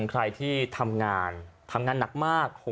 ใครที่ทำงานทำงานหนักมาก